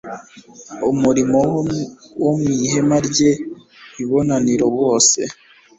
umurimo wo mu ihema ry ibonaniro bose